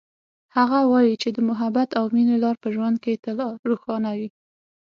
هغه وایي چې د محبت او مینې لار په ژوند کې تل روښانه وي